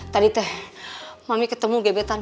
tadi teh mami ketemu gebetan